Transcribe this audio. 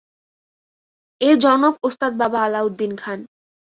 এর জনক ওস্তাদ বাবা আলাউদ্দিন খান।